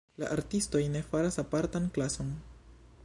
La artistoj ne faras apartan klason.